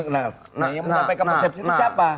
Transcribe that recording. nah yang mengatakan persepsi itu siapa